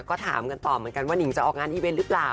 ก็ถามกันต่อเหมือนกันว่านิงจะออกงานอีเวนต์หรือเปล่า